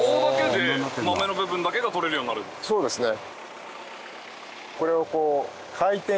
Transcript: そうですね。